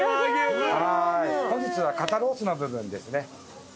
本日は肩ロースの部分ですね。